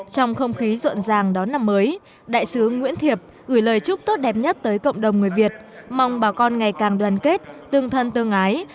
trong không khí rộn ràng đón năm mới đại sứ nguyễn thiệp gửi lời chúc tốt đẹp nhất tới cộng đồng người việt mong bà con ngày càng đoàn kết tương thân tương ái